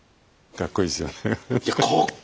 かっこいいですよ。